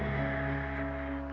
saya juga yang ingin mengakhiri